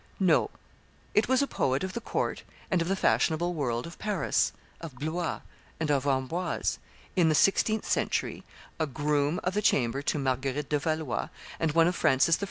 No; it was a poet of the court and of the fashionable world of Paris, of Blois, and of Amboise, in the sixteenth century, a groom of the chamber to Marguerite de Valois, and one of Francis I.